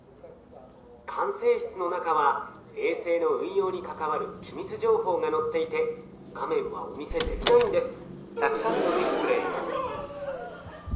管制室の中は衛星の運用に関わる機密情報が載っていて画面はお見せできないんです。